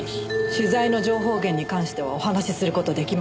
取材の情報源に関してはお話しする事出来ません。